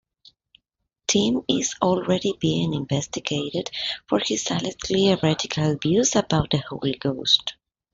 Tim is already being investigated for his allegedly heretical views about the Holy Ghost.